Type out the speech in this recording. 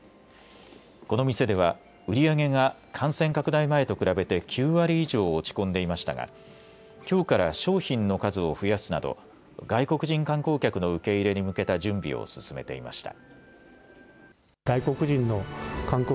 この店では売り上げが感染拡大前と比べて９割以上落ち込んでいましたがきょうから商品の数を増やすなど外国人観光客の受け入れに向けた準備を進めていました。